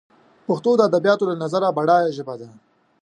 پښتو دادبیاتو له نظره بډایه ژبه ده